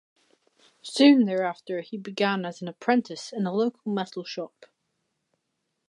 Soon thereafter he began as an apprentice in a local metal shop.